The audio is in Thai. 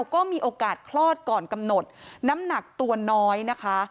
ก็มีโอกาสคลอดก่อนกำหนดน้ำหนักตัวน้อยนะคะ